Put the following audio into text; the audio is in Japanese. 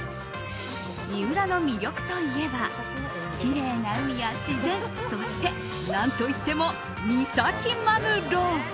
三浦の魅力といえばきれいな海や自然そして、何といっても三崎マグロ。